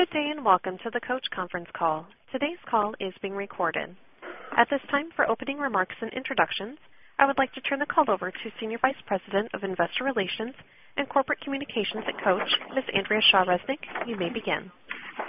Good day and welcome to the COACH's Conference Call. Today's call is being recorded. At this time, for opening remarks and introductions, I would like to turn the call over to Senior Vice President of Investor Relations and Corporate Communications at COACH, Andrea Shaw Resnick. You may begin.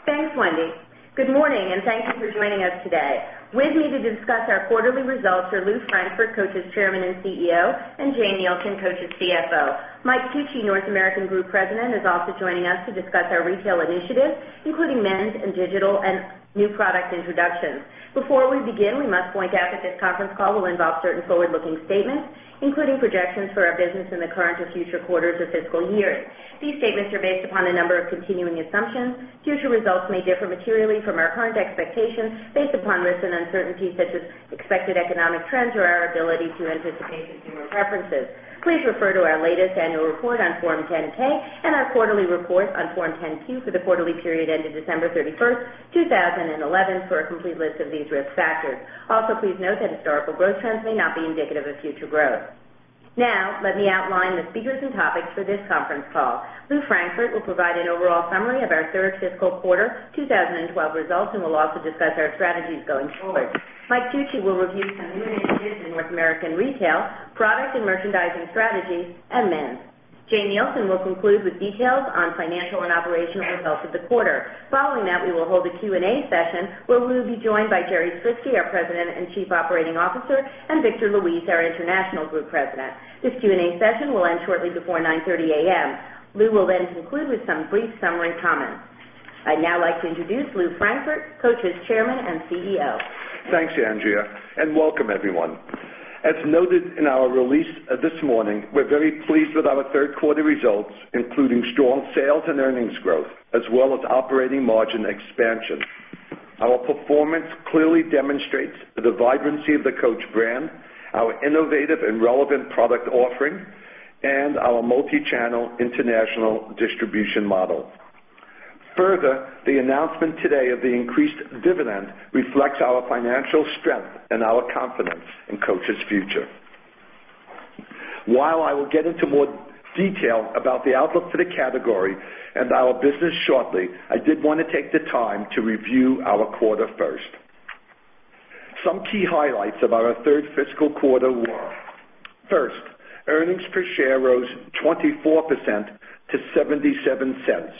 Thanks, Wendy. Good morning and thank you for joining us today. With me to discuss our quarterly results are Lew Frankfort, COACH's Chairman and CEO, and Jane Nielsen, COACH's CFO. Mike Tucci, North American Group President, is also joining us to discuss our retail initiatives, including Mint and digital and new product introductions. Before we begin, we must point out that this conference call will involve certain forward-looking statements, including projections for our business in the current or future quarters or fiscal years. These statements are based upon a number of continuing assumptions. Future results may differ materially from our current expectations based upon risks and uncertainties such as expected economic trends or our ability to anticipate the human preferences. Please refer to our latest annual report on Form 10-K and our quarterly report on Form 10-Q for the quarterly period ending December 31st, 2011, for a complete list of these risk factors. Also, please note that historical growth trends may not be indicative of future growth. Now, let me outline the speakers and topics for this conference call. Lew Frankfort will provide an overall summary of our third fiscal quarter 2012 results and will also discuss our strategies going forward. Mike Tucci will review some new initiatives in North American retail, product and merchandising strategy, and Mint. Jane Nielsen will conclude with details on financial and operational results of the quarter. Following that, we will hold a Q&A session where we will be joined by Jerry Stritzke, our President and Chief Operating Officer, and Victor Luis, our International Group President. This Q&A session will end shortly before 9:30 A.M. Lew will then conclude with some brief summary comments. I'd now like to introduce Lew Frankfort, COACH's Chairman and CEO. Thanks, Andrea, and welcome, everyone. As noted in our release this morning, we're very pleased with our third-quarter results, including strong sales and earnings growth, as well as operating margin expansion. Our performance clearly demonstrates the vibrancy of the COACH brand, our innovative and relevant product offering, and our multi-channel international distribution model. Further, the announcement today of the increased dividend reflects our financial strength and our confidence in COACH's future. While I will get into more detail about the outlook for the category and our business shortly, I did want to take the time to review our quarter first. Some key highlights about our third fiscal quarter were: first, earnings per share rose 24% to $0.77,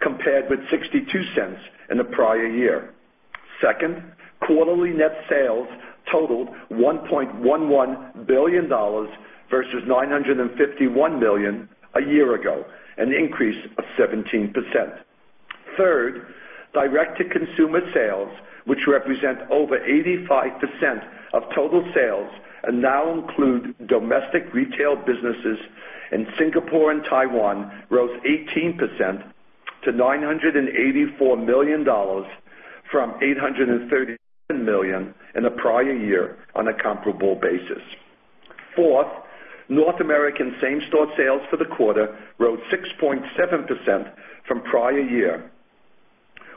compared with $0.62 in the prior year. Second, quarterly net sales totaled $1.11 billion versus $951 million a year ago, an increase of 17%. Third, direct-to-consumer sales, which represent over 85% of total sales and now include domestic retail businesses in Singapore and Taiwan, rose 18% to $984 million from $837 million in the prior year on a comparable basis. Fourth, North American same-store sales for the quarter rose 6.7% from prior year,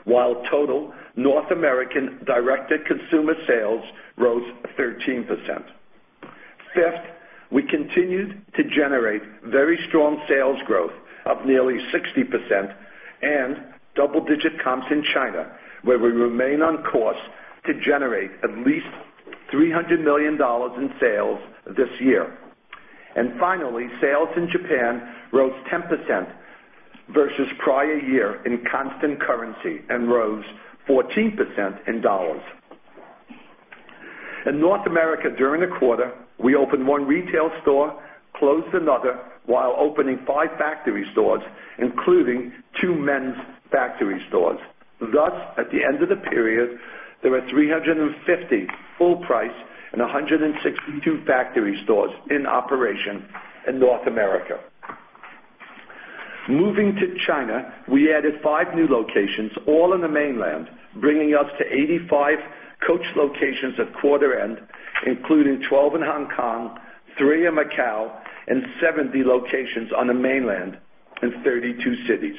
while total North American direct-to-consumer sales rose 13%. Fifth, we continued to generate very strong sales growth of nearly 60% and double-digit comps in China, where we remain on course to generate at least $300 million in sales this year. Finally, sales in Japan rose 10% versus prior year in constant currency and rose 14% in dollars. In North America, during the quarter, we opened one retail store, closed another, while opening five factory stores, including two men's factory stores. At the end of the period, there are 350 full-price and 162 factory stores in operation in North America. Moving to China, we added five new locations, all on the mainland, bringing us to 85 COACH locations at quarter end, including 12 in Hong Kong, three in Macau, and 70 locations on the mainland in 32 cities.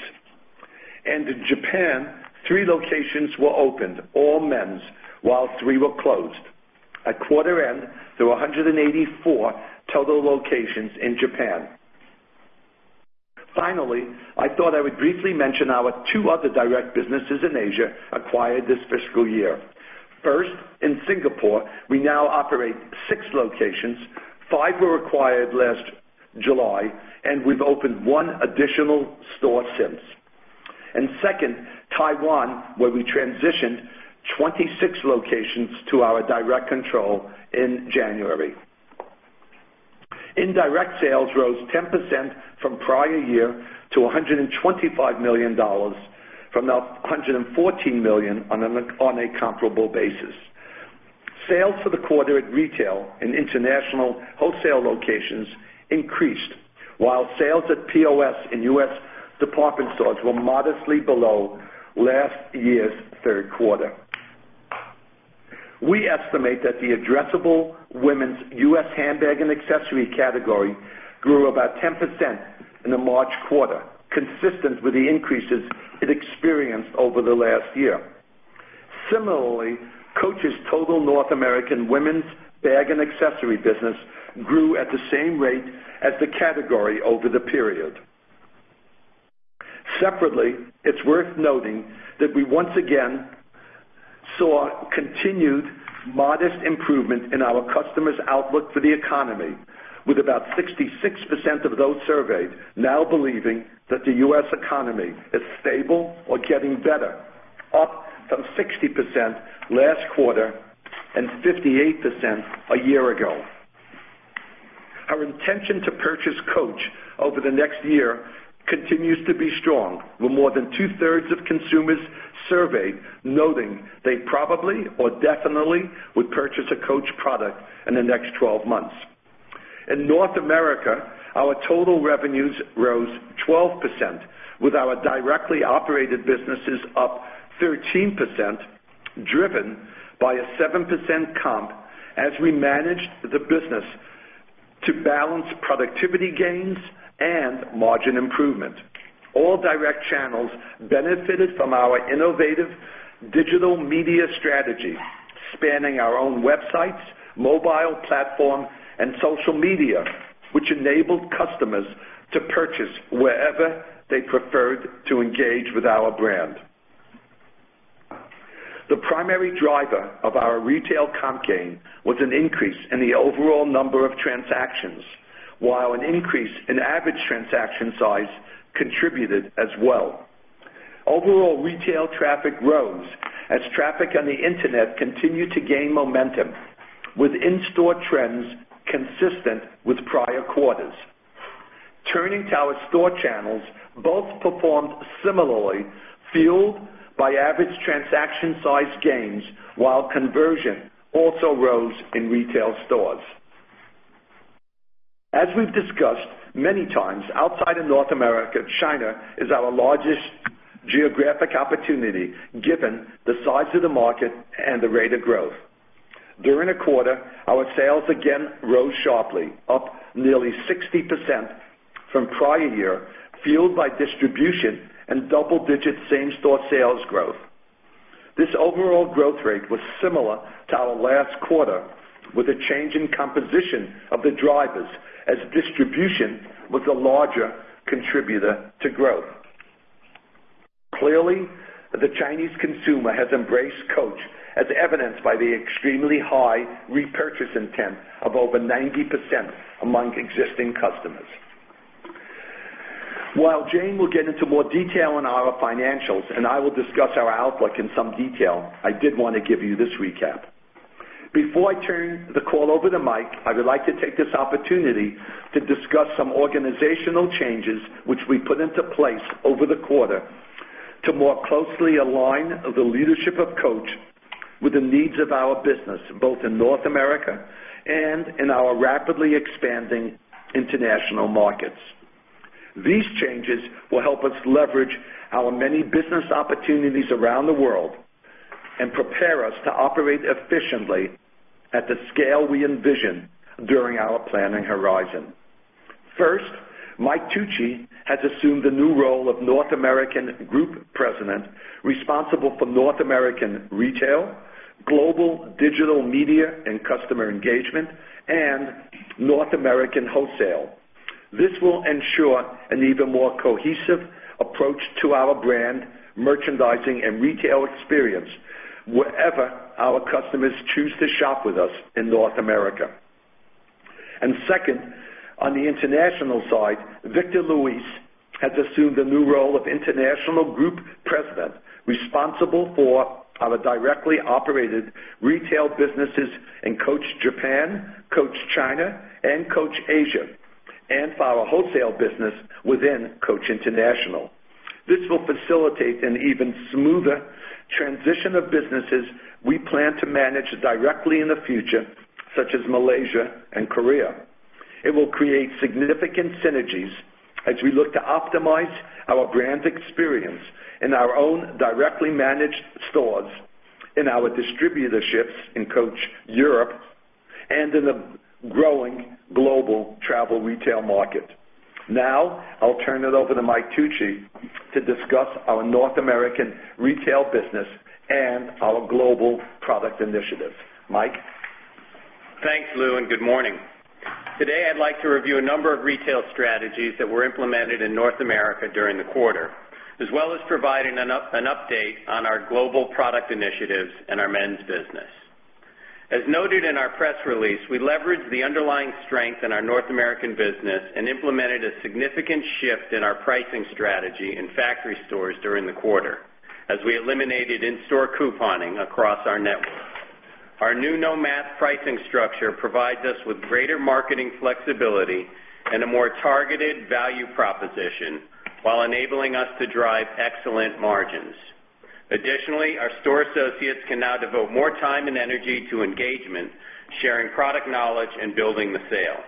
In Japan, three locations were opened, all men's, while three were closed. At quarter end, there were 184 total locations in Japan. Finally, I thought I would briefly mention our two other direct businesses in Asia acquired this fiscal year. In Singapore, we now operate six locations. Five were acquired last July, and we've opened one additional store since. In second, Taiwan, we transitioned 26 locations to our direct control in January. Indirect sales rose 10% from prior year to $125 million, from the $114 million on a comparable basis. Sales for the quarter at retail and international wholesale locations increased, while sales at POS and U.S. department stores were modestly below last year's third quarter. We estimate that the addressable women's U.S. handbag and accessory category grew about 10% in the March quarter, consistent with the increases it experienced over the last year. Similarly, COACH's total North American women's bag and accessory business grew at the same rate as the category over the period. Separately, it's worth noting that we once again saw continued modest improvement in our customers' outlook for the economy, with about 66% of those surveyed now believing that the U.S. economy is stable or getting better, up from 60% last quarter and 58% a year ago. Our intention to purchase COACH over the next year continues to be strong, with more than 2/3 of consumers surveyed noting they probably or definitely would purchase a COACH product in the next 12 months. In North America, our total revenues rose 12%, with our directly operated businesses up 13%, driven by a 7% comp as we managed the business to balance productivity gains and margin improvement. All direct channels benefited from our innovative digital media strategy, spanning our own websites, mobile platform, and social media, which enabled customers to purchase wherever they preferred to engage with our brand. The primary driver of our retail comp gain was an increase in the overall number of transactions, while an increase in average transaction size contributed as well. Overall retail traffic rose as traffic on the internet continued to gain momentum, with in-store trends consistent with prior quarters. Turning to our store channels, both performed similarly, fueled by average transaction size gains, while conversion also rose in retail stores. As we've discussed many times, outside of North America, China is our largest geographic opportunity, given the size of the market and the rate of growth. During a quarter, our sales again rose sharply, up nearly 60% from prior year, fueled by distribution and double-digit same-store sales growth. This overall growth rate was similar to our last quarter, with a change in composition of the drivers as distribution was the larger contributor to growth. Clearly, the Chinese consumer has embraced COACH, as evidenced by the extremely high repurchase intent of over 90% among existing customers. While Jane will get into more detail on our financials and I will discuss our outlook in some detail, I did want to give you this recap. Before I turn the call over to Mike, I would like to take this opportunity to discuss some organizational changes which we put into place over the quarter to more closely align the leadership of COACH with the needs of our business, both in North America and in our rapidly expanding international markets. These changes will help us leverage our many business opportunities around the world and prepare us to operate efficiently at the scale we envision during our planning horizon. First, Mike Tucci has assumed the new role of North American Group President, responsible for North American retail, global digital media and customer engagement, and North American wholesale. This will ensure an even more cohesive approach to our brand, merchandising, and retail experience wherever our customers choose to shop with us in North America. Second, on the international side, Victor Luis has assumed the new role of International Group President, responsible for our directly operated retail businesses in COACH Japan, COACH China, and COACH Asia, and for our wholesale business within COACH International. This will facilitate an even smoother transition of businesses we plan to manage directly in the future, such as Malaysia and Korea. It will create significant synergies as we look to optimize our brand experience in our own directly managed stores, in our distributorships in COACH Europe, and in the growing global travel retail market. Now, I'll turn it over to Mike Tucci to discuss our North American retail business and our global product initiatives. Mike? Thanks, Lew, and good morning. Today, I'd like to review a number of retail strategies that were implemented in North America during the quarter, as well as provide an update on our global product initiatives and our men's business. As noted in our press release, we leveraged the underlying strength in our North American business and implemented a significant shift in our pricing strategy in factory stores during the quarter, as we eliminated in-store couponing across our network. Our new no-math pricing structure provides us with greater marketing flexibility and a more targeted value proposition, while enabling us to drive excellent margins. Additionally, our store associates can now devote more time and energy to engagement, sharing product knowledge, and building the sale.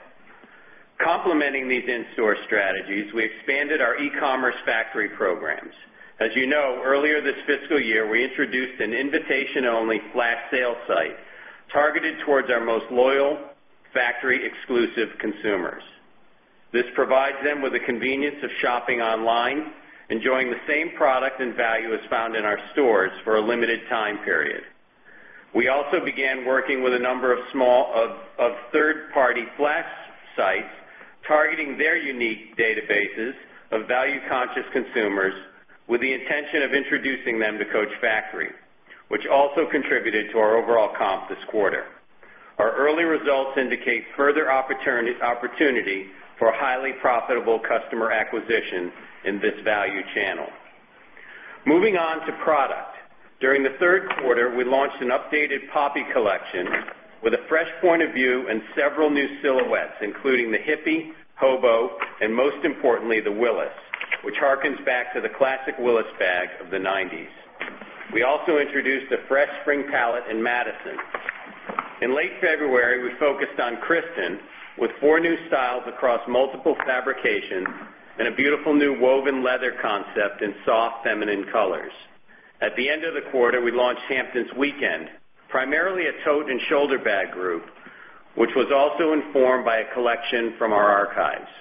Complementing these in-store strategies, we expanded our e-commerce factory programs. As you know, earlier this fiscal year, we introduced an invitation-only flash sale site targeted towards our most loyal factory-exclusive consumers. This provides them with the convenience of shopping online, enjoying the same product and value as found in our stores for a limited time period. We also began working with a number of small third-party flash sites targeting their unique databases of value-conscious consumers with the intention of introducing them to COACH Factory, which also contributed to our overall comp this quarter. Our early results indicate further opportunity for highly profitable customer acquisition in this value channel. Moving on to product, during the third quarter, we launched an updated Poppy collection with a fresh point of view and several new silhouettes, including the Hippie, Hobo, and most importantly, the Willis, which harkens back to the classic Willis bag of the '90s. We also introduced a fresh spring palette in Madison. In late February, we focused on Kristin with four new styles across multiple fabrications and a beautiful new woven leather concept in soft feminine colors. At the end of the quarter, we launched Hampton’s Weekend, primarily a tote and shoulder bag group, which was also informed by a collection from our archives.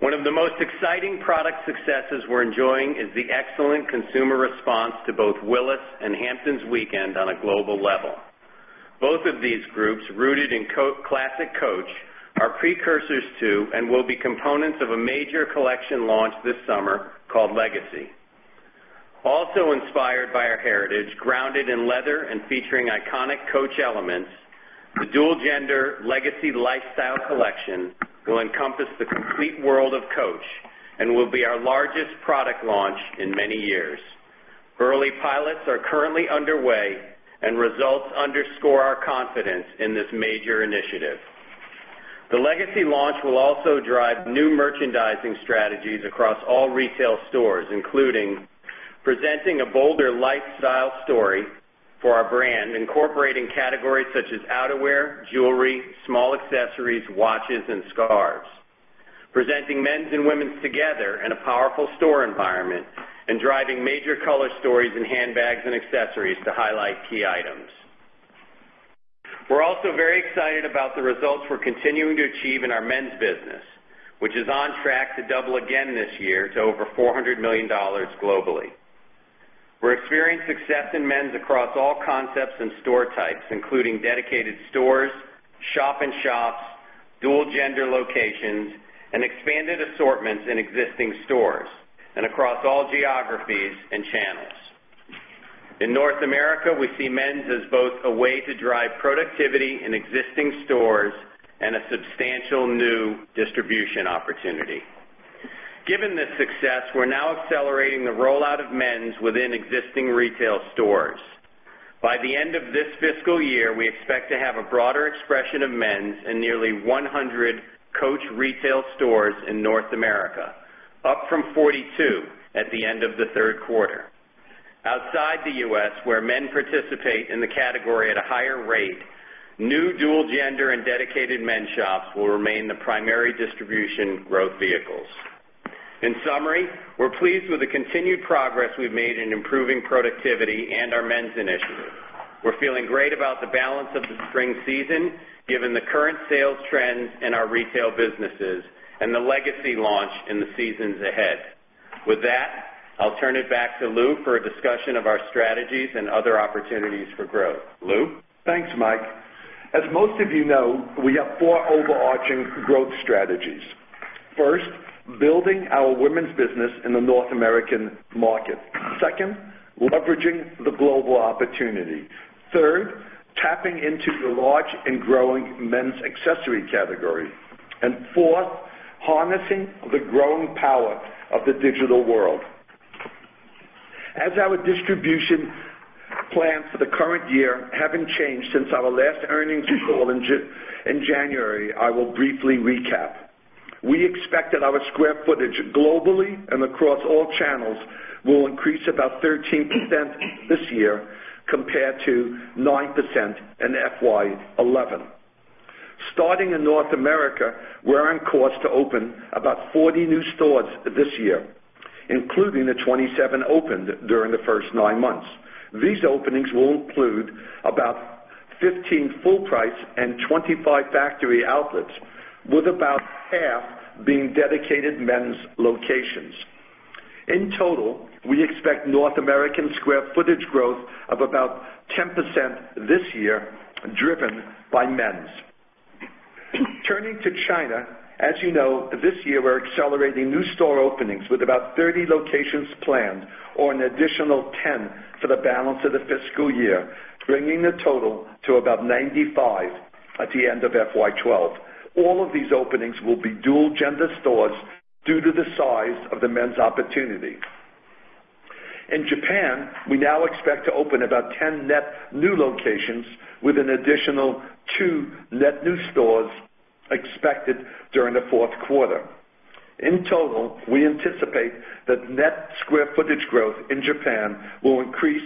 One of the most exciting product successes we're enjoying is the excellent consumer response to both Willis and Hampton’s Weekend on a global level. Both of these groups, rooted in classic COACH, are precursors to and will be components of a major collection launch this summer called Legacy. Also inspired by our heritage, grounded in leather and featuring iconic COACH elements, the dual-gender Legacy lifestyle collection will encompass the complete world of COACH and will be our largest product launch in many years. Early pilots are currently underway, and results underscore our confidence in this major initiative. The Legacy launch will also drive new merchandising strategies across all retail stores, including presenting a bolder lifestyle story for our brand, incorporating categories such as outerwear, jewelry, small accessories, watches, and scarves, presenting men's and women's together in a powerful store environment, and driving major color stories in handbags and accessories to highlight key items. We're also very excited about the results we're continuing to achieve in our men's business, which is on track to double again this year to over $400 million globally. We're experiencing success in men's across all concepts and store types, including dedicated stores, shop-in-shops, dual-gender locations, and expanded assortments in existing stores and across all geographies and channels. In North America, we see men's as both a way to drive productivity in existing stores and a substantial new distribution opportunity. Given this success, we're now accelerating the rollout of men's within existing retail stores. By the end of this fiscal year, we expect to have a broader expression of men's in nearly 100 COACH retail stores in North America, up from 42 at the end of the third quarter. Outside the U.S., where men participate in the category at a higher rate, new dual-gender and dedicated men's shops will remain the primary distribution growth vehicles. In summary, we're pleased with the continued progress we've made in improving productivity and our men's initiative. We're feeling great about the balance of the spring season, given the current sales trends in our retail businesses and the Legacy launch in the seasons ahead. With that, I'll turn it back to Lew for a discussion of our strategies and other opportunities for growth. Lew? Thanks, Mike. As most of you know, we have four overarching growth strategies. First, building our women's business in the North American market. Second, leveraging the global opportunity. Third, tapping into the large and growing men's accessory category. Fourth, harnessing the growing power of the digital world. As our distribution plans for the current year haven't changed since our last earnings report in January, I will briefly recap. We expect that our square footage globally and across all channels will increase about 13% this year compared to 9% in FY2011. Starting in North America, we're on course to open about 40 new stores this year, including the 27 opened during the first nine months. These openings will include about 15 full-price and 25 factory outlets, with about half being dedicated men's locations. In total, we expect North American square footage growth of about 10% this year, driven by men's. Turning to China, as you know, this year we're accelerating new store openings with about 30 locations planned or an additional 10 for the balance of the fiscal year, bringing the total to about 95 at the end of FY2012. All of these openings will be dual-gender stores due to the size of the men's opportunity. In Japan, we now expect to open about 10 net new locations, with an additional two net new stores expected during the fourth quarter. In total, we anticipate that net square footage growth in Japan will increase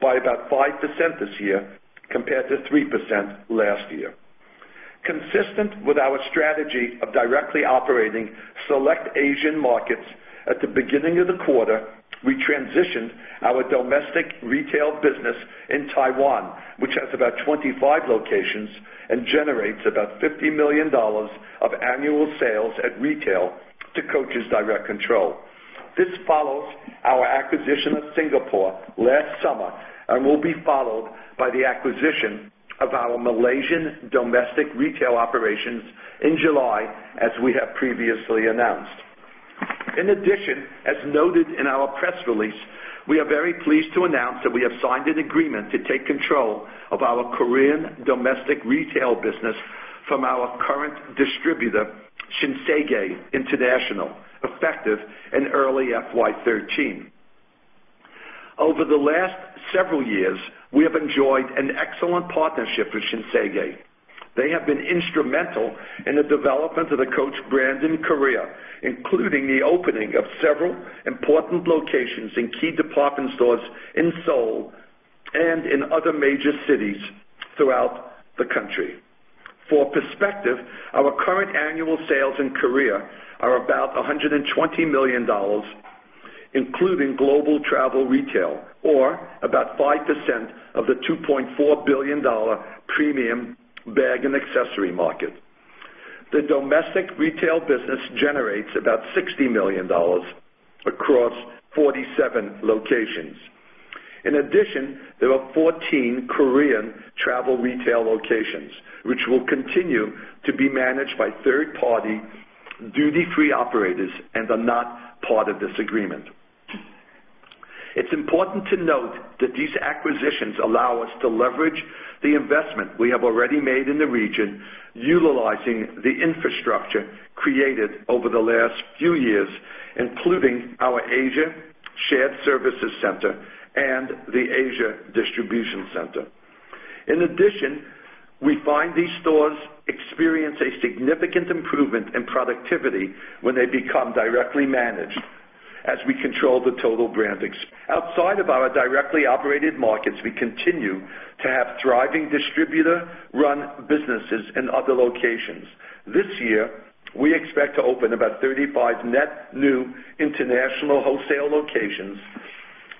by about 5% this year compared to 3% last year. Consistent with our strategy of directly operating select Asian markets, at the beginning of the quarter, we transitioned our domestic retail business in Taiwan, which has about 25 locations and generates about $50 million of annual sales at retail to COACH's direct control. This follows our acquisition of Singapore last summer and will be followed by the acquisition of our Malaysian domestic retail operations in July, as we have previously announced. In addition, as noted in our press release, we are very pleased to announce that we have signed an agreement to take control of our Korean domestic retail business from our current distributor, Shinsegae International, effective in early FY2013. Over the last several years, we have enjoyed an excellent partnership with Shinsegae. They have been instrumental in the development of the COACH brand in Korea, including the opening of several important locations in key department stores in Seoul and in other major cities throughout the country. For perspective, our current annual sales in Korea are about $120 million, including global travel retail, or about 5% of the $2.4 billion premium bag and accessory market. The domestic retail business generates about $60 million across 47 locations. In addition, there are 14 Korean travel retail locations, which will continue to be managed by third-party duty-free operators and are not part of this agreement. It's important to note that these acquisitions allow us to leverage the investment we have already made in the region, utilizing the infrastructure created over the last few years, including our Asia Shared Services Center and the Asia Distribution Center. In addition, we find these stores experience a significant improvement in productivity when they become directly managed as we control the total brand. Outside of our directly operated markets, we continue to have thriving distributor-run businesses in other locations. This year, we expect to open about 35 net new international wholesale locations,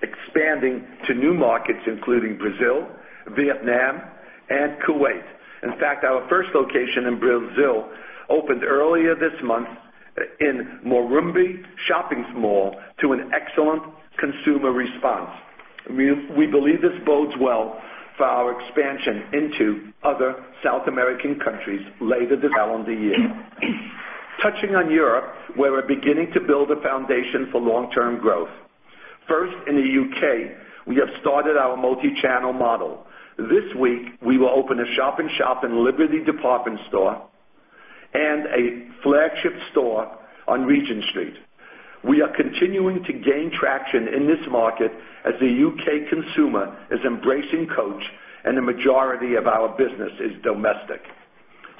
expanding to new markets including Brazil, Vietnam, and Kuwait. In fact, our first location in Brazil opened earlier this month in Morumbi Shopping mall, to an excellent consumer response. We believe this bodes well for our expansion into other South American countries later this calendar year. Touching on Europe, we're beginning to build a foundation for long-term growth. First, in the U.K., we have started our multi-channel model. This week, we will open a shop-in-shop in Liberty Department Store and a flagship store on Regent Street. We are continuing to gain traction in this market as the U.K. consumer is embracing COACH and the majority of our business is domestic.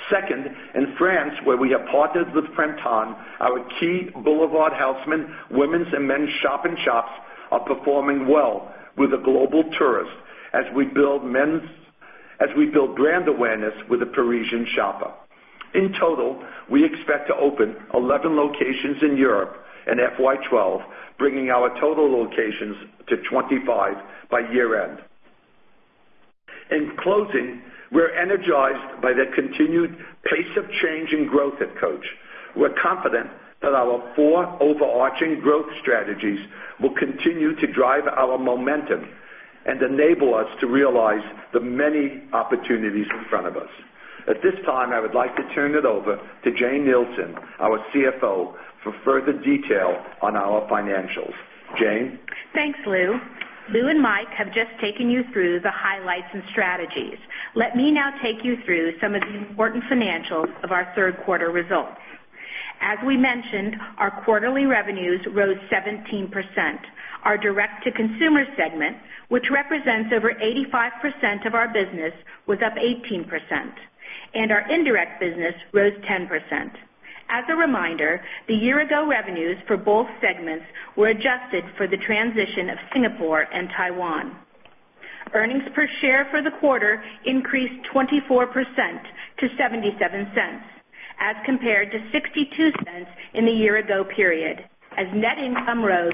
Second, in France, where we have partnered with Printemps, our key boulevard Haussmann women's and men's shop-in-shops are performing well with a global tourist as we build brand awareness with a Parisian shopper. In total, we expect to open 11 locations in Europe in FY12, bringing our total locations to 25 by year-end. In closing, we're energized by the continued pace of change and growth at COACH. We're confident that our four overarching growth strategies will continue to drive our momentum and enable us to realize the many opportunities in front of us. At this time, I would like to turn it over to Jane Nielsen, our CFO, for further detail on our financials. Jane? Thanks, Lew. Lew and Mike have just taken you through the highlights and strategies. Let me now take you through some of the important financials of our third-quarter results. As we mentioned, our quarterly revenues rose 17%. Our direct-to-consumer segment, which represents over 85% of our business, was up 18%. Our indirect business rose 10%. As a reminder, the year-ago revenues for both segments were adjusted for the transition of Singapore and Taiwan. Earnings per share for the quarter increased 24% to $0.77, as compared to $0.62 in the year-ago period, as net income rose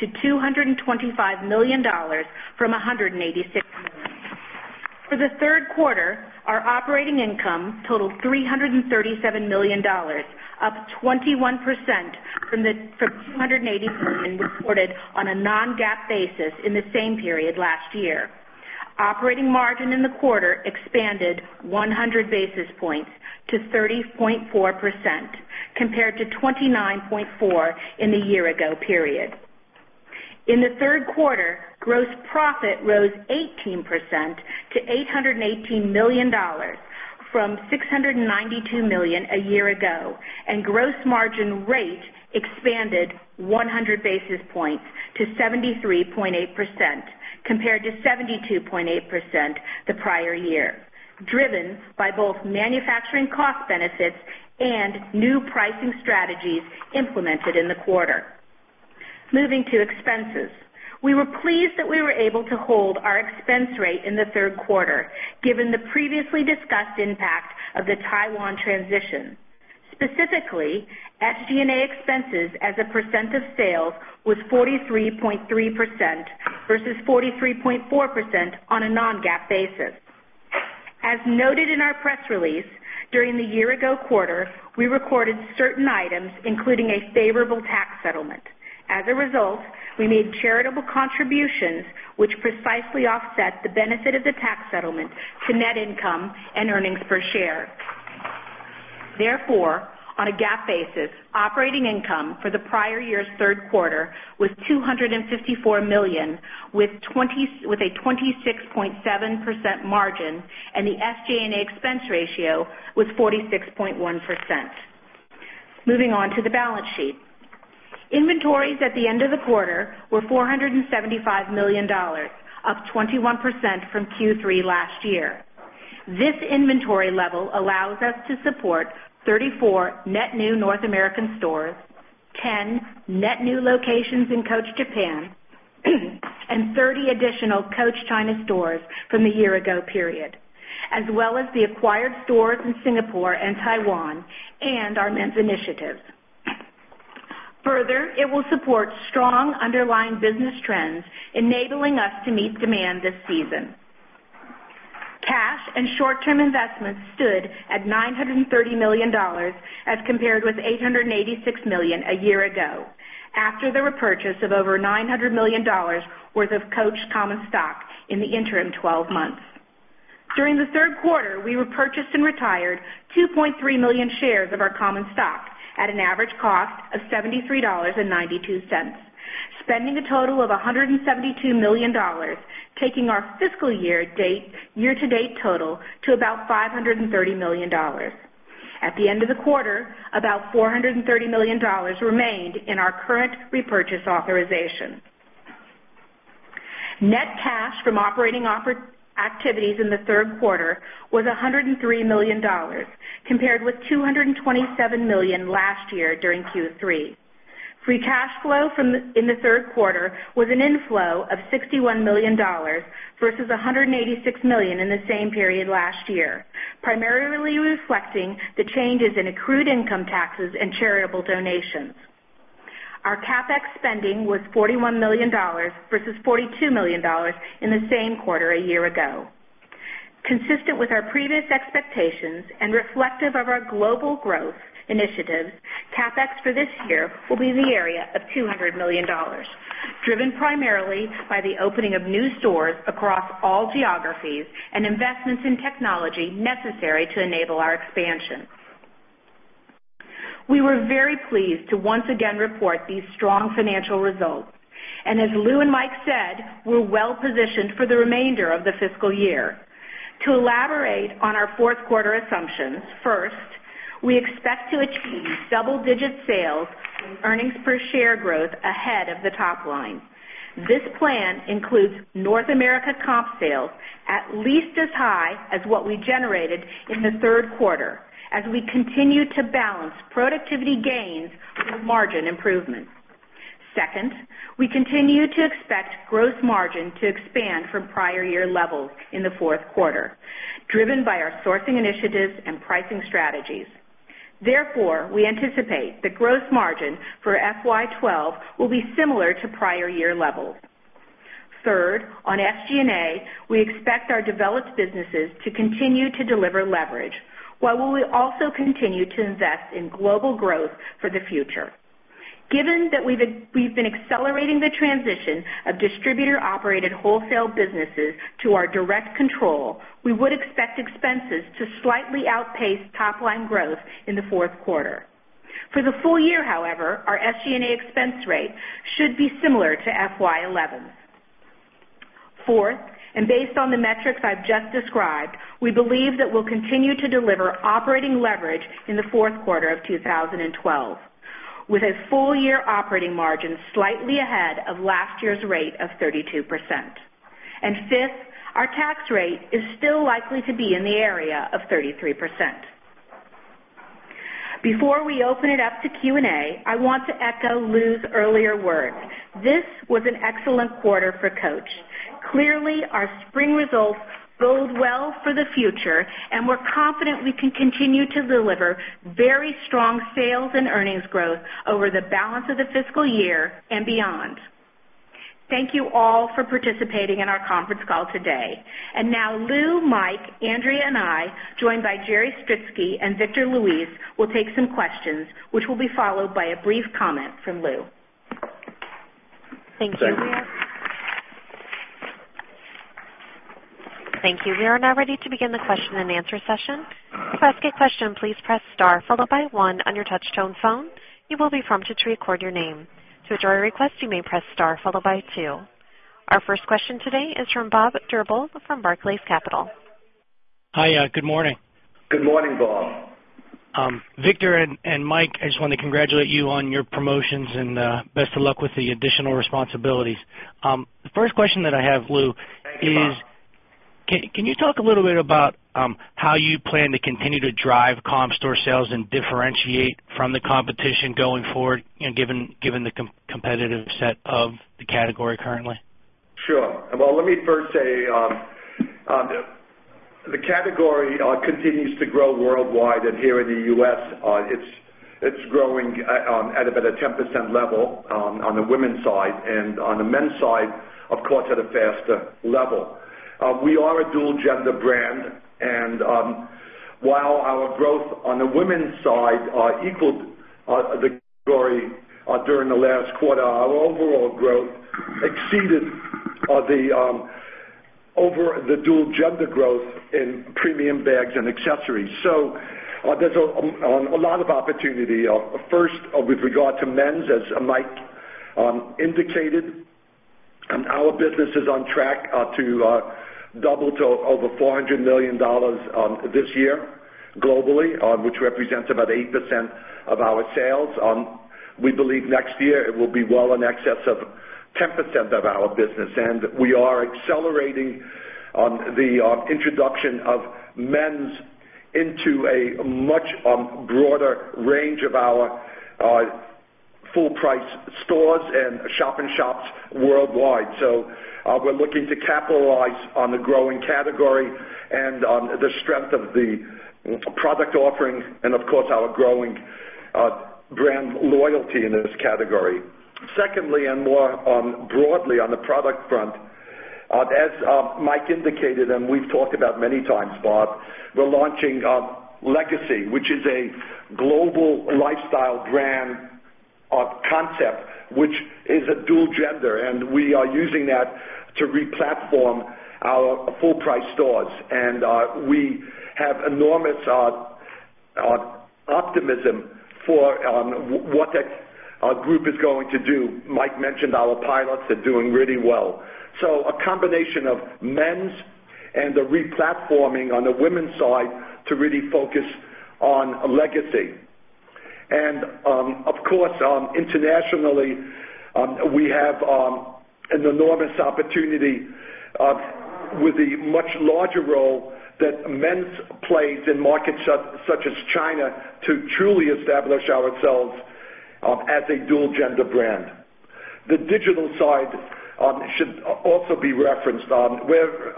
to $225 million from $186 million. For the third quarter, our operating income totaled $337 million, up 21% from the $280 million reported on a non-GAAP basis in the same period last year. Operating margin in the quarter expanded 100 basis points to 30.4%, compared to 29.4% in the year-ago period. In the third quarter, gross profit rose 18% to $818 million from $692 million a year ago, and gross margin rate expanded 100 basis points to 73.8%, compared to 72.8% the prior year, driven by both manufacturing cost benefits and new pricing strategies implemented in the quarter. Moving to expenses, we were pleased that we were able to hold our expense rate in the third quarter, given the previously discussed impact of the Taiwan transition. Specifically, SG&A expenses as a percent of sales was 43.3% versus 43.4% on a non-GAAP basis. As noted in our press release, during the year-ago quarter, we recorded certain items, including a favorable tax settlement. As a result, we made charitable contributions, which precisely offset the benefit of the tax settlement to net income and earnings per share. Therefore, on a GAAP basis, operating income for the prior year's third quarter was $254 million with a 26.7% margin, and the SG&A expense ratio was 46.1%. Moving on to the balance sheet. Inventories at the end of the quarter were $475 million, up 21% from Q3 last year. This inventory level allows us to support 34 net new North American stores, 10 net new locations in COACH Japan, and 30 additional COACH China stores from the year-ago period, as well as the acquired stores in Singapore and Taiwan and our men's initiatives. Further, it will support strong underlying business trends, enabling us to meet demand this season. Cash and short-term investments stood at $930 million as compared with $886 million a year ago, after the repurchase of over $900 million worth of COACH common stock in the interim 12 months. During the third quarter, we repurchased and retired 2.3 million shares of our common stock at an average cost of $73.92, spending a total of $172 million, taking our fiscal year-to-date total to about $530 million. At the end of the quarter, about $430 million remained in our current repurchase authorization. Net cash from operating activities in the third quarter was $103 million, compared with $227 million last year during Q3. Free cash flow in the third quarter was an inflow of $61 million versus $186 million in the same period last year, primarily reflecting the changes in accrued income taxes and charitable donations. Our CapEx spending was $41 million versus $42 million in the same quarter a year ago. Consistent with our previous expectations and reflective of our global growth initiatives, CapEx for this year will be in the area of $200 million, driven primarily by the opening of new stores across all geographies and investments in technology necessary to enable our expansion. We were very pleased to once again report these strong financial results. As Lew and Mike said, we're well-positioned for the remainder of the fiscal year. To elaborate on our fourth-quarter assumptions, first, we expect to achieve double-digit sales earnings per share growth ahead of the top line. This plan includes North America comp sales at least as high as what we generated in the third quarter as we continue to balance productivity gains with margin improvement. Second, we continue to expect gross margin to expand from prior-year levels in the fourth quarter, driven by our sourcing initiatives and pricing strategies. Therefore, we anticipate the gross margin for FY12 will be similar to prior-year levels. Third, on SG&A, we expect our developed businesses to continue to deliver leverage, while we will also continue to invest in global growth for the future. Given that we've been accelerating the transition of distributor-operated wholesale businesses to our direct control, we would expect expenses to slightly outpace top-line growth in the fourth quarter. For the full year, however, our SG&A expense rate should be similar to FY11. Fourth, and based on the metrics I've just described, we believe that we'll continue to deliver operating leverage in the fourth quarter of 2012, with a full-year operating margin slightly ahead of last year's rate of 32%. Fifth, our tax rate is still likely to be in the area of 33%. Before we open it up to Q&A, I want to echo Lew's earlier words. This was an excellent quarter for COACH. Clearly, our spring results bode well for the future, and we're confident we can continue to deliver very strong sales and earnings growth over the balance of the fiscal year and beyond. Thank you all for participating in our conference call today. Now Lew, Mike, Andrea, and I, joined by Jerry Stritzke and Victor Luis, will take some questions, which will be followed by a brief comment from Lew. Thank you. Thank you, Andrea. Thank you. We are now ready to begin the question and answer session. To ask a question, please press star followed by one on your touch-tone phone. You will be prompted to record your name. To withdraw your request, you may press star followed by two. Our first question today is from Bob Drbul from Barclays Capital. Hi, good morning. Good morning, Bob. Victor and Mike, I just want to congratulate you on your promotions and best of luck with the additional responsibilities. The first question that I have, Lew, is can you talk a little bit about how you plan to continue to drive comp store sales and differentiate from the competition going forward, given the competitive set of the category currently? Sure. Let me first say the category continues to grow worldwide, and here in the U.S., it's growing at about a 10% level on the women's side, and on the men's side, of course, at a faster level. We are a dual-gender brand, and while our growth on the women's side equaled the category during the last quarter, our overall growth exceeded over the dual-gender growth in premium bags and accessories. There's a lot of opportunity. First, with regard to men's, as Mike indicated, our business is on track to double to over $400 million this year globally, which represents about 8% of our sales. We believe next year it will be well in excess of 10% of our business. We are accelerating the introduction of men's into a much broader range of our full-price stores and shop-in-shops worldwide. We're looking to capitalize on the growing category and the strength of the product offering and, of course, our growing brand loyalty in this category. Secondly, and more broadly on the product front, as Mike indicated and we've talked about many times, Bob, we're launching Legacy, which is a global lifestyle brand concept, which is dual gender. We are using that to replatform our full-price stores. We have enormous optimism for what our group is going to do. Mike mentioned our pilots are doing really well. A combination of men's and the replatforming on the women's side to really focus on Legacy. Of course, internationally, we have an enormous opportunity with the much larger role that men's plays in markets such as China to truly establish ourselves as a dual-gender brand. The digital side should also be referenced. We're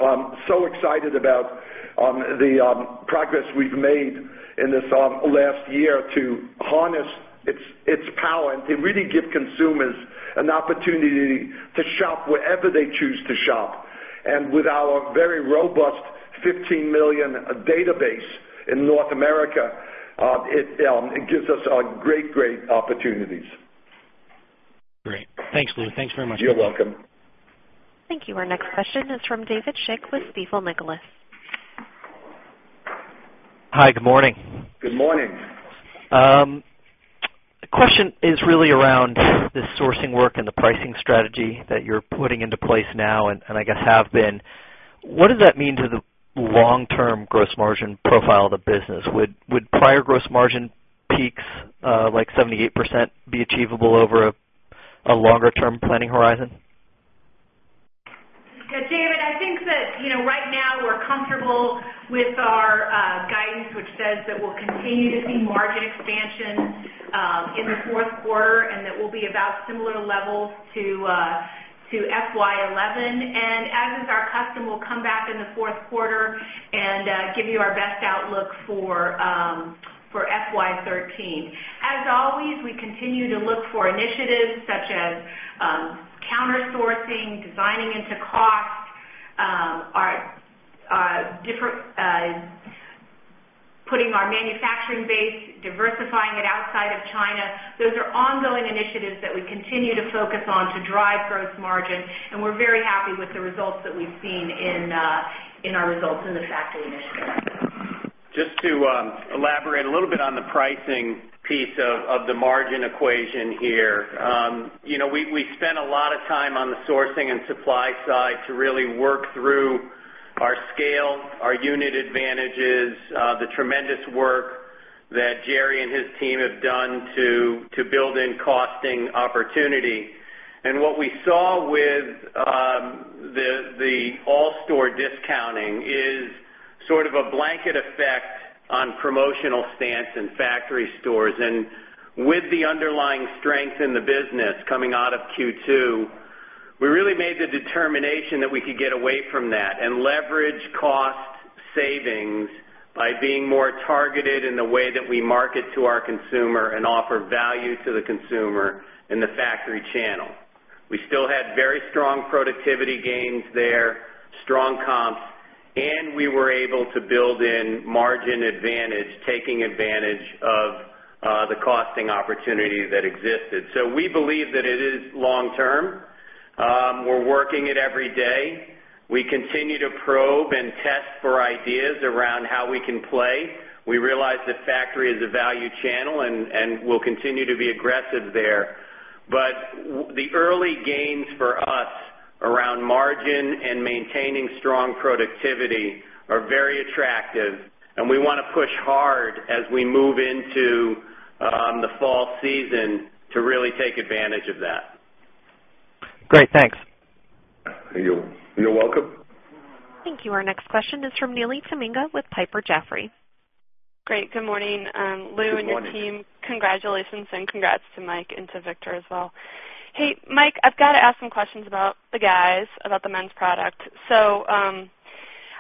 so excited about the progress we've made in this last year to harness its power and to really give consumers an opportunity to shop wherever they choose to shop. With our very robust 15 million database in North America, it gives us great, great opportunities. Great. Thanks, Lew. Thanks very much. You're welcome. Thank you. Our next question is from David Schick with Stifel Nicolaus. Hi, good morning. Good morning. The question is really around the sourcing work and the pricing strategy that you're putting into place now and I guess have been. What does that mean to the long-term gross margin profile of the business? Would prior gross margin peaks like 78% be achievable over a longer-term planning horizon? Yeah, David, I think that right now we're comfortable with our guidance, which says that we'll continue to see margin expansion in the fourth quarter and that we'll be about similar levels to FY2011. As is our custom, we'll come back in the fourth quarter and give you our best outlook for FY2013. As always, we continue to look for initiatives such as countersourcing, designing into cost, putting our manufacturing base, diversifying it outside of China. Those are ongoing initiatives that we continue to focus on to drive gross margin. We're very happy with the results that we've seen in our results in the factory initiative. Just to elaborate a little bit on the pricing piece of the margin equation here, you know we spent a lot of time on the sourcing and supply side to really work through our scale, our unit advantages, the tremendous work that Jerry and his team have done to build in costing opportunity. What we saw with the all-store discounting is sort of a blanket effect on promotional stance in factory stores. With the underlying strength in the business coming out of Q2, we really made the determination that we could get away from that and leverage cost savings by being more targeted in the way that we market to our consumer and offer value to the consumer in the factory channel. We still had very strong productivity gains there, strong comps, and we were able to build in margin advantage, taking advantage of the costing opportunity that existed. We believe that it is long-term. We're working it every day. We continue to probe and test for ideas around how we can play. We realize that factory is a value channel and will continue to be aggressive there. The early gains for us around margin and maintaining strong productivity are very attractive. We want to push hard as we move into the fall season to really take advantage of that. Great, thanks. You're welcome. Thank you. Our next question is from Neely Tamminga with Piper Jaffray. Great. Good morning, Lew and your team. Congratulations and congrats to Mike and to Victor as well. Mike, I've got to ask some questions about the guys, about the men's product.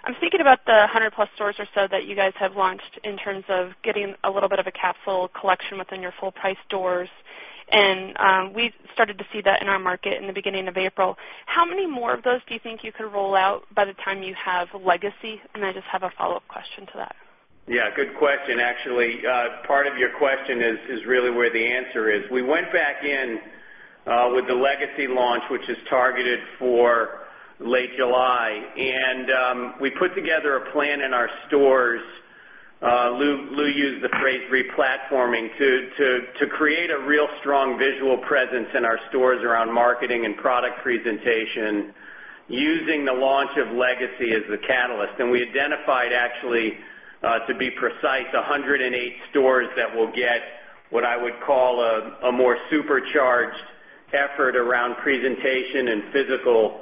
I'm thinking about the 100+ stores or so that you have launched in terms of getting a little bit of a capsule collection within your full-price stores. We started to see that in our market in the beginning of April. How many more of those do you think you can roll out by the time you have Legacy? I just have a follow-up question to that. Yeah, good question. Actually, part of your question is really where the answer is. We went back in with the Legacy collection launch, which is targeted for late July. We put together a plan in our stores. Lew used the phrase replatforming to create a real strong visual presence in our stores around marketing and product presentation, using the launch of Legacy as the catalyst. We identified, actually, to be precise, 108 stores that will get what I would call a more supercharged effort around presentation and physical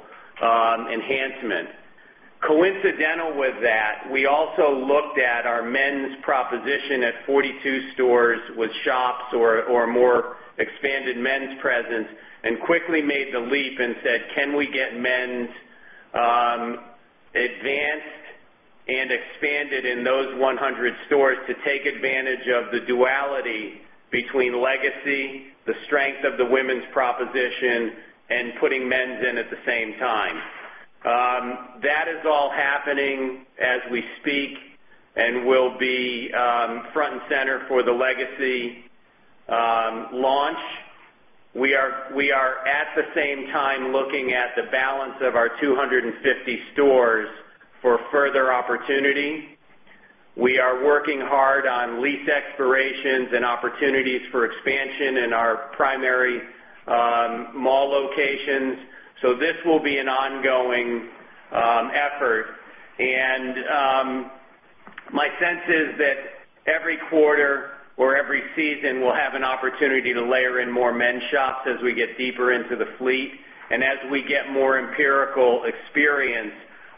enhancement. Coincidental with that, we also looked at our men's proposition at 42 stores with shops or a more expanded men's presence and quickly made the leap and said, "Can we get men's advanced and expanded in those 100 stores to take advantage of the duality between Legacy, the strength of the women's proposition, and putting men's in at the same time?" That is all happening as we speak and will be front and center for the Legacy launch. We are, at the same time, looking at the balance of our 250 stores for further opportunity. We are working hard on lease expirations and opportunities for expansion in our primary mall locations. This will be an ongoing effort. My sense is that every quarter or every season, we'll have an opportunity to layer in more men's shops as we get deeper into the fleet and as we get more empirical experience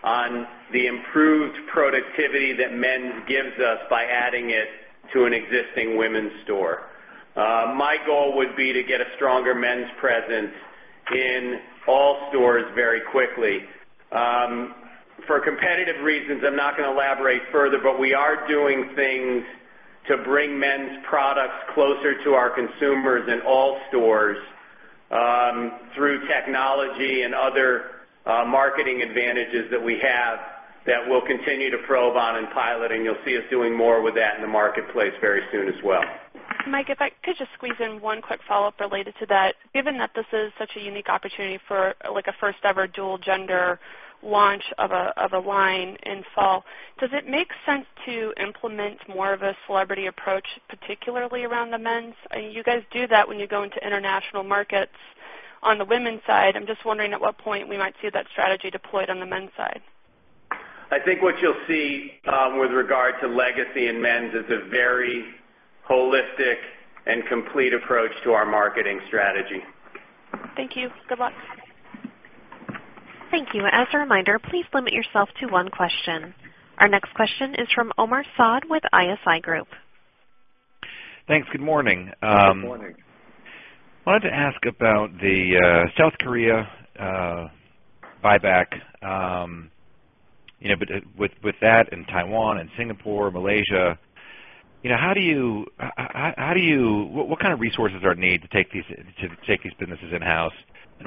on the improved productivity that men's gives us by adding it to an existing women's store. My goal would be to get a stronger men's presence in all stores very quickly. For competitive reasons, I'm not going to elaborate further, but we are doing things to bring men's products closer to our consumers in all stores through technology and other marketing advantages that we have that we'll continue to probe on and pilot. You'll see us doing more with that in the marketplace very soon as well. Mike, if I could just squeeze in one quick follow-up related to that. Given that this is such a unique opportunity for a first-ever dual-gender launch of a line in the fall, does it make sense to implement more of a celebrity approach, particularly around the men's? You guys do that when you go into international markets on the women's side. I'm just wondering at what point we might see that strategy deployed on the men's side. I think what you'll see with regard to the Legacy collection and men's is a very holistic and complete approach to our marketing strategy. Thank you. Good luck. Thank you. As a reminder, please limit yourself to one question. Our next question is from Omar Saad with ISI Group. Thanks. Good morning. Good morning. I wanted to ask about the Korea buyback. With that and Taiwan and Singapore, Malaysia, what kind of resources are needed to take these businesses in-house?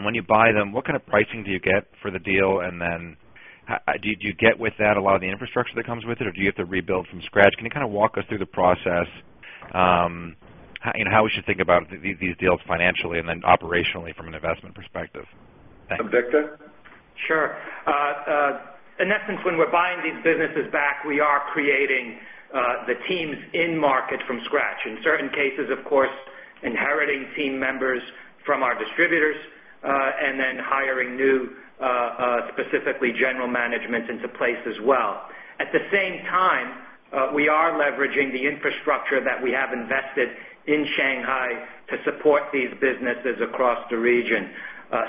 When you buy them, what kind of pricing do you get for the deal? Do you get with that a lot of the infrastructure that comes with it, or do you have to rebuild from scratch? Can you walk us through the process? How should we think about these deals financially and operationally from an investment perspective? Thanks. Victor? Sure. In essence, when we're buying these businesses back, we are creating the teams in market from scratch. In certain cases, of course, inheriting team members from our distributors and then hiring new, specifically, general management into place as well. At the same time, we are leveraging the infrastructure that we have invested in Shanghai to support these businesses across the region.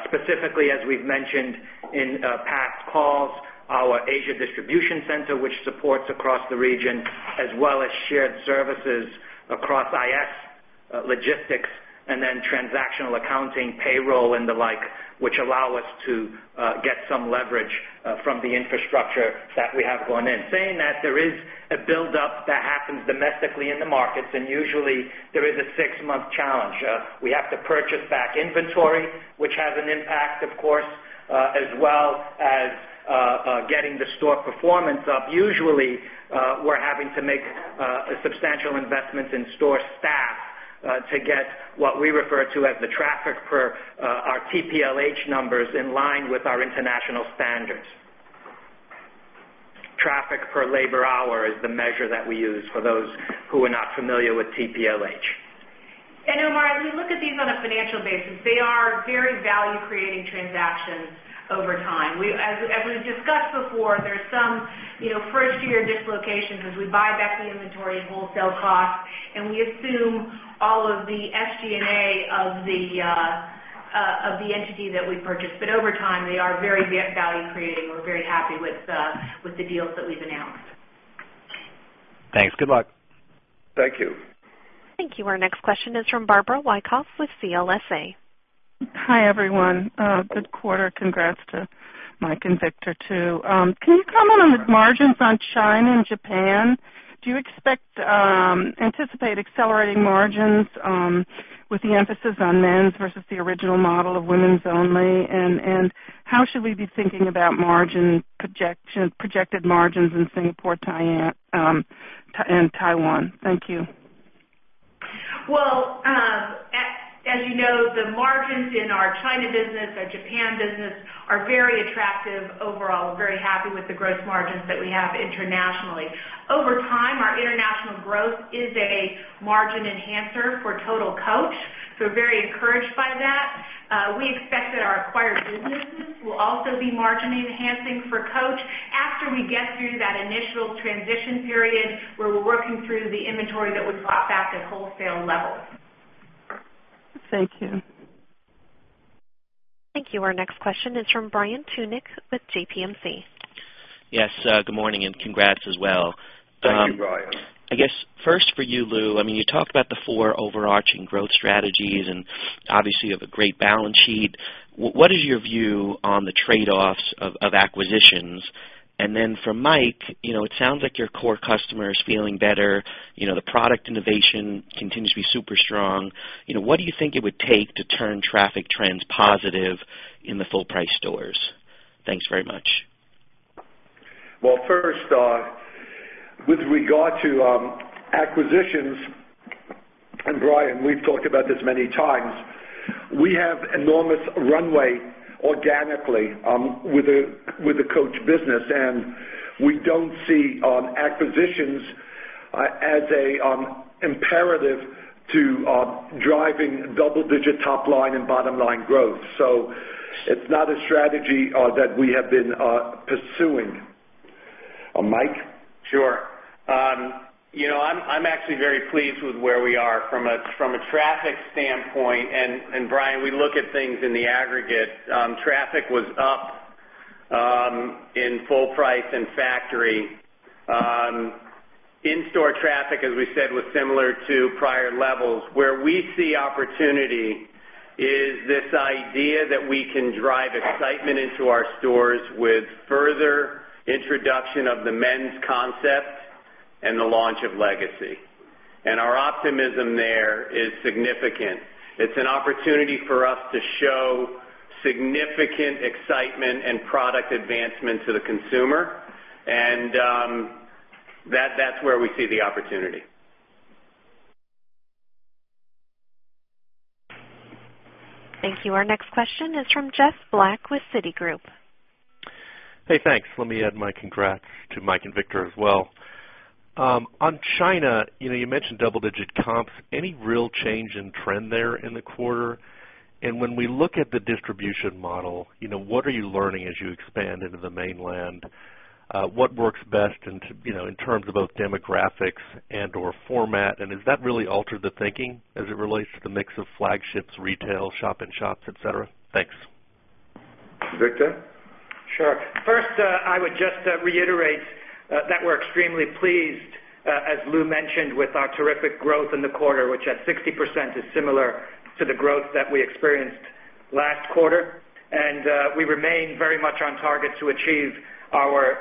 Specifically, as we've mentioned in past calls, our Asia distribution center, which supports across the region, as well as shared services across IS logistics and then transactional accounting, payroll, and the like, which allow us to get some leverage from the infrastructure that we have gone in. Saying that, there is a build-up that happens domestically in the markets, and usually, there is a six-month challenge. We have to purchase back inventory, which has an impact, of course, as well as getting the store performance up. Usually, we're having to make substantial investments in store staff to get what we refer to as the traffic per hour TPLH numbers in line with our international standards. Traffic per labor hour is the measure that we use for those who are not familiar with TPLH. Omar, as we look at these on a financial basis, they are very value-creating transactions over time. As we've discussed before, there's some first-year dislocations as we buy back the inventory and wholesale costs, and we assume all of the SG&A of the entity that we purchase. Over time, they are very value-creating. We're very happy with the deals that we've announced. Thanks. Good luck. Thank you. Thank you. Our next question is from Barbara Wyckoff with CLSA. Hi, everyone. Good quarter. Congrats to Mike and Victor too. Can you comment on the margins on China and Japan? Do you anticipate accelerating margins with the emphasis on men's versus the original model of women's only? How should we be thinking about projected margins in Singapore and Taiwan? Thank you. As you know, the margins in our China business and Japan business are very attractive overall. We're very happy with the gross margins that we have internationally. Over time, our international growth is a margin enhancer for Total COACH. We're very encouraged by that. We expect that our acquired businesses will also be margin enhancing for COACH after we get through that initial transition period where we're working through the inventory that would drop back at wholesale levels. Thank you. Thank you. Our next question is from Brian Tunick with JPMC. Yes. Good morning and congrats as well. Good morning, Brian. I guess first for you, Lew, I mean, you talked about the four overarching growth strategies, and obviously, you have a great balance sheet. What is your view on the trade-offs of acquisitions? For Mike, it sounds like your core customer is feeling better. The product innovation continues to be super strong. What do you think it would take to turn traffic trends positive in the full-price stores? Thanks very much. First off, with regard to acquisitions, and Brian, we've talked about this many times, we have enormous runway organically with the COACH business. We don't see acquisitions as an imperative to driving double-digit top-line and bottom-line growth. It's not a strategy that we have been pursuing. Mike? Sure. I'm actually very pleased with where we are from a traffic standpoint. Brian, we look at things in the aggregate. Traffic was up in full price and factory. In-store traffic, as we said, was similar to prior levels. Where we see opportunity is this idea that we can drive excitement into our stores with further introduction of the men's concept and the launch of Legacy. Our optimism there is significant. It's an opportunity for us to show significant excitement and product advancement to the consumer. That's where we see the opportunity. Thank you. Our next question is from Jeff Black with Citigroup. Hey, thanks. Let me add my congrats to Mike and Victor as well. On China, you mentioned double-digit comps. Any real change in trend there in the quarter? When we look at the distribution model, what are you learning as you expand into the mainland? What works best in terms of both demographics and/or format? Has that really altered the thinking as it relates to the mix of flagships, retail, shop-in-shops, etc.? Thanks. Victor? Sure. First, I would just reiterate that we're extremely pleased, as Lew mentioned, with our terrific growth in the quarter, which at 60% is similar to the growth that we experienced last quarter. We remain very much on target to achieve our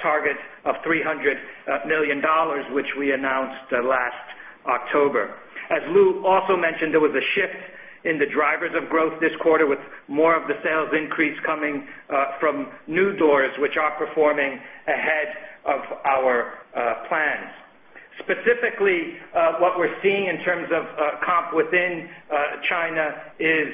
target of $300 million, which we announced last October. As Lew also mentioned, there was a shift in the drivers of growth this quarter with more of the sales increase coming from new doors, which are performing ahead of our plans. Specifically, what we're seeing in terms of comp within China is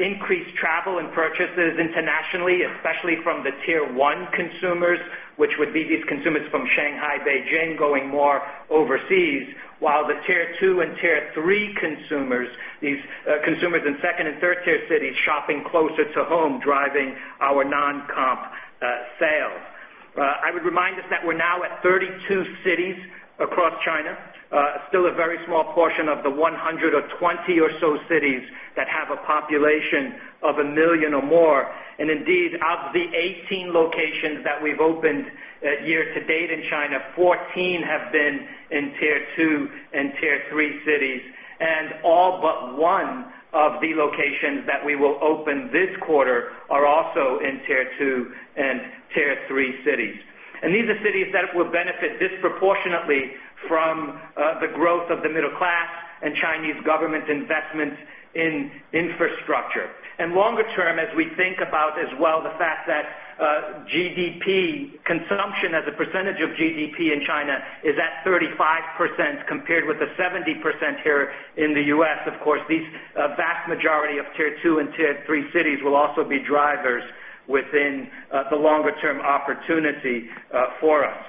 increased travel and purchases internationally, especially from the tier one consumers, which would be these consumers from Shanghai, Beijing, going more overseas, while the tier two and tier three consumers, these consumers in second and third-tier cities shopping closer to home, driving our non-comp sales. I would remind us that we're now at 32 cities across China, still a very small portion of the 120 or so cities that have a population of a million or more. Indeed, of the 18 locations that we've opened year-to-date in China, 14 have been in tier two and tier three cities. All but one of the locations that we will open this quarter are also in tier two and tier three cities. These are cities that will benefit disproportionately from the growth of the middle class and Chinese government investment in infrastructure. Longer term, as we think about as well the fact that consumption as a percentage of GDP in China is at 35% compared with the 70% here in the U.S., these vast majority of tier two and tier three cities will also be drivers within the longer-term opportunity for us.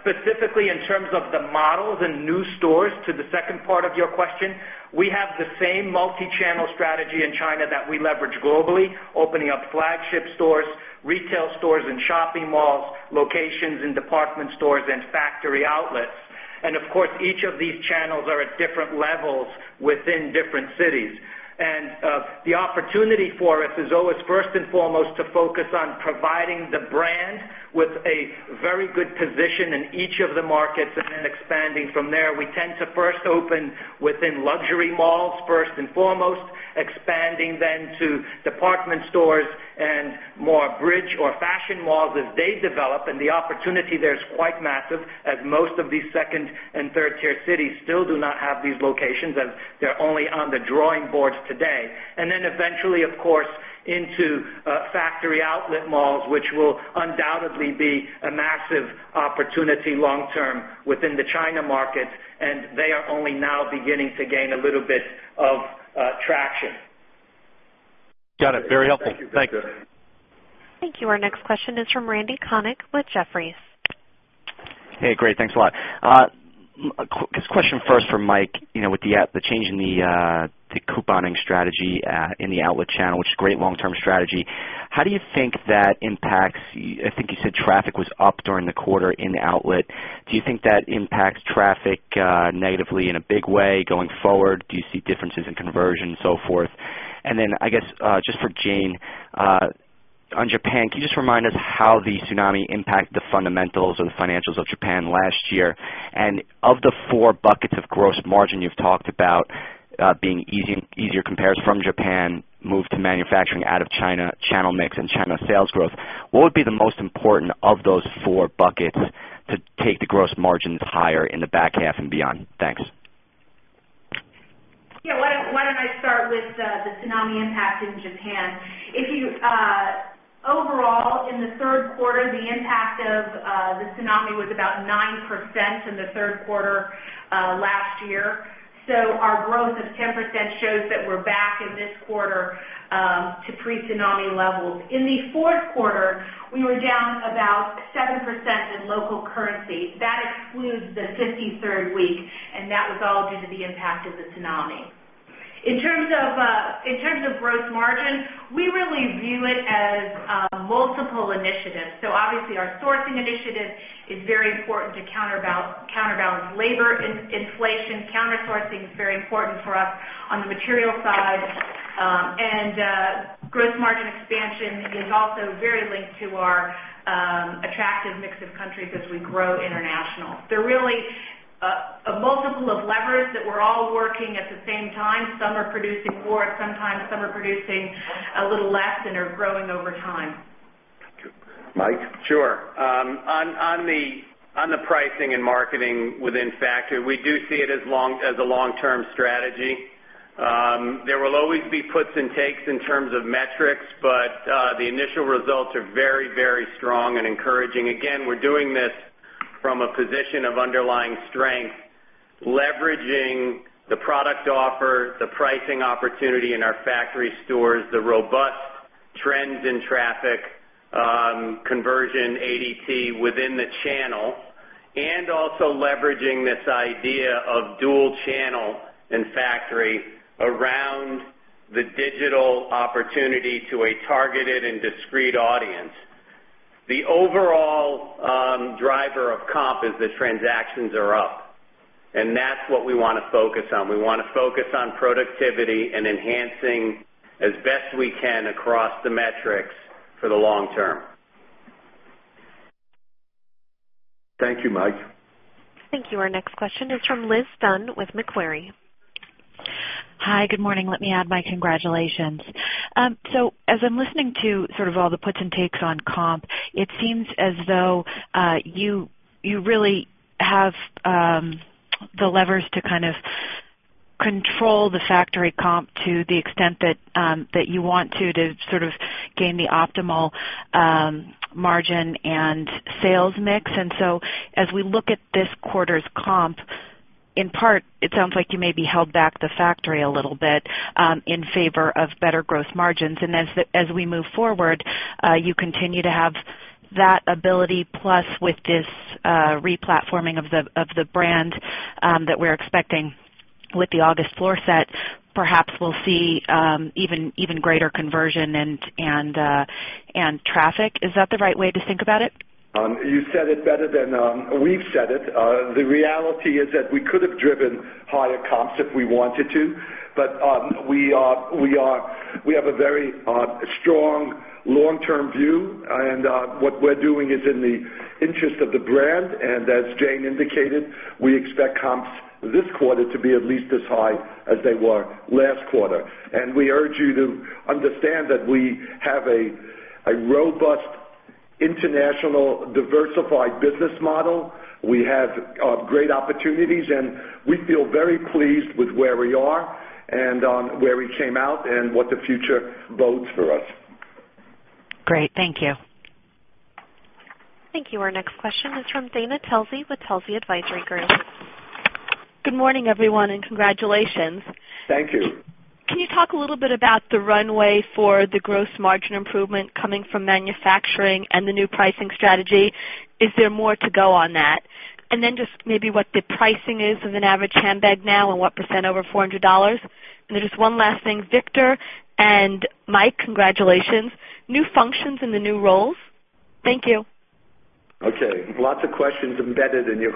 Specifically, in terms of the models and new stores to the second part of your question, we have the same multi-channel strategy in China that we leverage globally, opening up flagship stores, retail stores and shopping malls, locations and department stores, and factory outlets. Each of these channels are at different levels within different cities. The opportunity for us is always, first and foremost, to focus on providing the brand with a very good position in each of the markets and then expanding from there. We tend to first open within luxury malls, first and foremost, expanding then to department stores and more bridge or fashion malls as they develop. The opportunity there is quite massive, as most of these second and third-tier cities still do not have these locations, and they're only on the drawing boards today. Eventually, into factory outlet malls, which will undoubtedly be a massive opportunity long-term within the China markets. They are only now beginning to gain a little bit of traction. Got it. Very helpful. Thanks. Thank you. Our next question is from Randy Konik with Jefferies. Hey, great. Thanks a lot. Question first for Mike. With the change in the couponing strategy in the outlet channel, which is a great long-term strategy, how do you think that impacts? I think you said traffic was up during the quarter in the outlet. Do you think that impacts traffic negatively in a big way going forward? Do you see differences in conversion and so forth? For Jane, on Japan, can you just remind us how the tsunami impacted the fundamentals and the financials of Japan last year? Of the four buckets of gross margin you've talked about, being easier comparison from Japan, move to manufacturing out of China, channel mix, and China sales growth, what would be the most important of those four buckets to take the gross margins higher in the back half and beyond? Thanks. Yeah, why don't I start with the tsunami impact in Japan? If you overall, in the third quarter, the impact of the tsunami was about 9% in the third quarter last year. Our growth of 10% shows that we're back in this quarter to pre-tsunami levels. In the fourth quarter, we were down about 7% in local currency. That excludes the 53rd week. That was all due to the impact of the tsunami. In terms of gross margin, we really view it as a multiple initiative. Our sourcing initiative is very important to counterbalance labor inflation. Counter-sourcing is very important for us on the material side. Gross margin expansion is also very linked to our attractive mix of countries as we grow international. They're really a multiple of levers that we're all working at the same time. Some are producing more, and sometimes some are producing a little less and are growing over time. Mike. Sure. On the pricing and marketing within factory, we do see it as a long-term strategy. There will always be puts and takes in terms of metrics, but the initial results are very, very strong and encouraging. Again, we're doing this from a position of underlying strength, leveraging the product offer, the pricing opportunity in our factory stores, the robust trends in traffic, conversion, ADT within the channel, and also leveraging this idea of dual channel and factory around the digital opportunity to a targeted and discrete audience. The overall driver of comp is that transactions are up. That's what we want to focus on. We want to focus on productivity and enhancing as best we can across the metrics for the long term. Thank you, Mike. Thank you. Our next question is from Liz Dunn with Macquarie. Hi, good morning. Let me add my congratulations. As I'm listening to all the puts and takes on comp, it seems as though you really have the levers to kind of control the factory comp to the extent that you want to, to gain the optimal margin and sales mix. As we look at this quarter's comp, in part, it sounds like you may have held back the factory a little bit in favor of better gross margins. As we move forward, you continue to have that ability, plus with this replatforming of the brand that we're expecting with the August floor set, perhaps we'll see even greater conversion and traffic. Is that the right way to think about it? You said it better than we've said it. The reality is that we could have driven higher comps if we wanted to. We have a very strong long-term view, and what we're doing is in the interest of the brand. As Jane indicated, we expect comps this quarter to be at least as high as they were last quarter. We urge you to understand that we have a robust international diversified business model. We have great opportunities, and we feel very pleased with where we are and where we came out and what the future bodes for us. Great. Thank you. Thank you. Our next question is from Dana Telsey with Telsey Advisory Group. Good morning, everyone, and congratulations. Thank you. Can you talk a little bit about the runway for the gross margin improvement coming from manufacturing and the new pricing strategy? Is there more to go on that? Maybe what the pricing is of an average handbag now and what percent over $400? One last thing, Victor and Mike, congratulations. New functions in the new roles. Thank you. Okay. Lots of questions embedded in your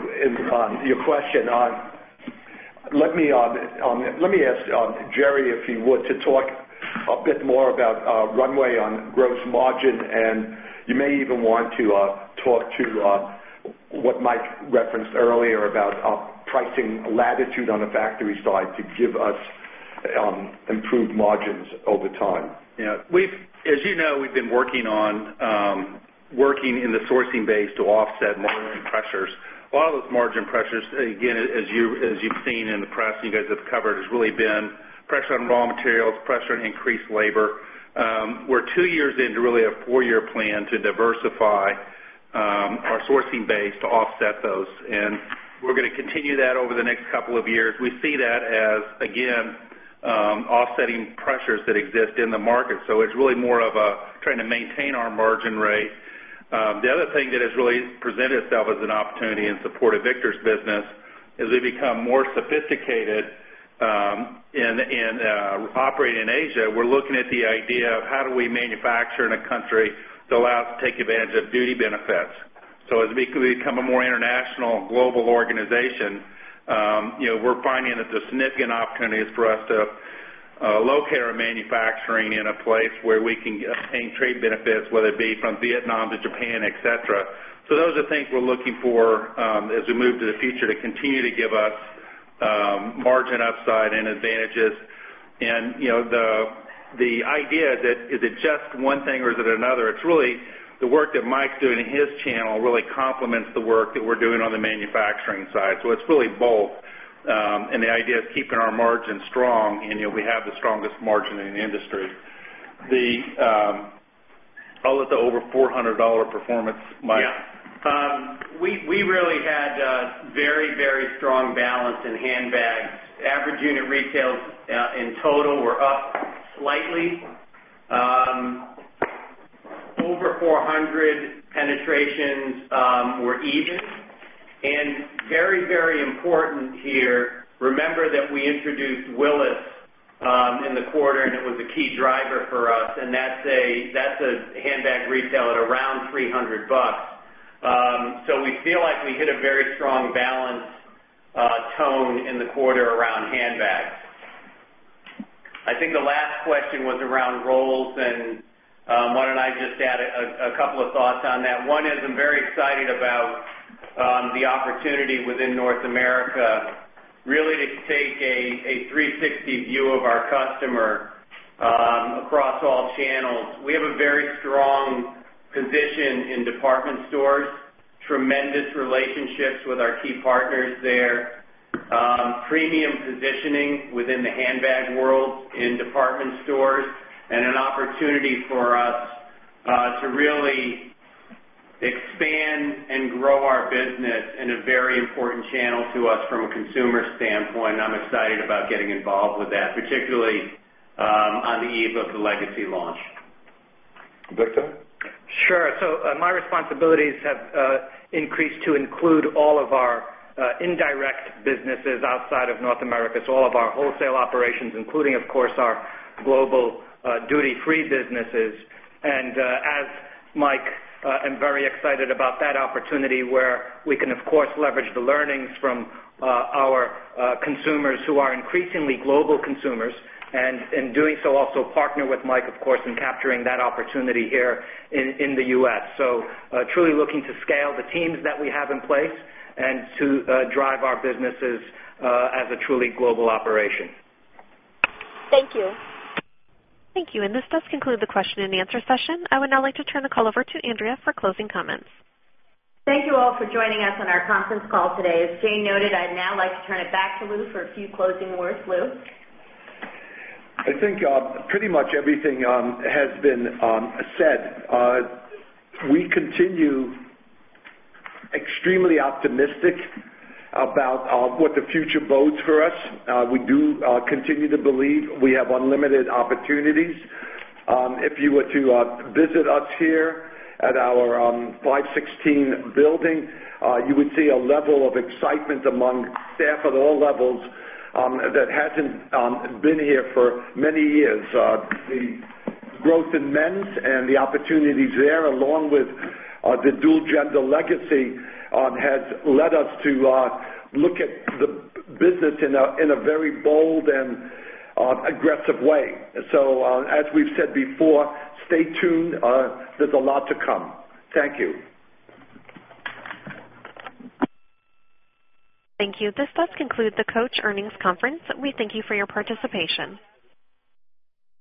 question. Let me ask Jerry, if he would, to talk a bit more about runway on gross margin. You may even want to talk to what Mike referenced earlier about pricing latitude on the factory side to give us improved margins over time. Yeah. As you know, we've been working on working in the sourcing base to offset margin pressures. A lot of those margin pressures, again, as you've seen in the press and you guys have covered, has really been pressure on raw materials, pressure on increased labor. We're two years into really a four-year plan to diversify our sourcing base to offset those. We're going to continue that over the next couple of years. We see that as, again, offsetting pressures that exist in the market. It's really more of trying to maintain our margin rate. The other thing that has really presented itself as an opportunity in support of Victor's business is we've become more sophisticated in operating in Asia. We're looking at the idea of how do we manufacture in a country that allows us to take advantage of duty benefits. As we become a more international global organization, you know, we're finding that there's significant opportunities for us to locate our manufacturing in a place where we can obtain trade benefits, whether it be from Vietnam to Japan, etc. Those are things we're looking for as we move to the future to continue to give us margin upside and advantages. The idea that is it just one thing or is it another? It's really the work that Mike's doing in his channel really complements the work that we're doing on the manufacturing side. It's really both. The idea of keeping our margin strong, and you know, we have the strongest margin in the industry. I'll let the over $400 performance, Mike. Yeah. We really had a very, very strong balance in handbag. Average unit retails in total were up slightly. Over 400 penetrations were even. Very, very important here, remember that we introduced Willis in the quarter, and it was a key driver for us. That's a handbag retail at around $300. We feel like we hit a very strong balance tone in the quarter around handbags. I think the last question was around roles, and why don't I just add a couple of thoughts on that? One is I'm very excited about the opportunity within North America really to take a 360 view of our customer across all channels. We have a very strong position in department stores, tremendous relationships with our key partners there, premium positioning within the handbag world in department stores, and an opportunity for us to really expand and grow our business in a very important channel to us from a consumer standpoint. I'm excited about getting involved with that, particularly on the eve of the Legacy collection launch. Victor? Sure. My responsibilities have increased to include all of our indirect businesses outside of North America, all of our wholesale operations, including, of course, our global duty-free businesses. As Mike, I'm very excited about that opportunity where we can, of course, leverage the learnings from our consumers who are increasingly global consumers and in doing so also partner with Mike, of course, in capturing that opportunity here in the U.S. I'm truly looking to scale the teams that we have in place and to drive our businesses as a truly global operation. Thank you. Thank you. This does conclude the question and answer session. I would now like to turn the call over to Andrea for closing comments. Thank you all for joining us on our conference call today. As Jane noted, I'd now like to turn it back to Lew for a few closing words. Lew? I think pretty much everything has been said. We continue extremely optimistic about what the future bodes for us. We do continue to believe we have unlimited opportunities. If you were to visit us here at our 516 building, you would see a level of excitement among staff at all levels that hasn't been here for many years. The growth in men's and the opportunities there, along with the dual-gender Legacy collection, has led us to look at the business in a very bold and aggressive way. As we've said before, stay tuned. There's a lot to come. Thank you. Thank you. This does conclude the COACH Earnings Conference. We thank you for your participation.